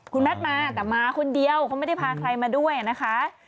คุณแมทมาแต่มาคนเดียวเขาไม่ได้พาใครมาด้วยนะคะ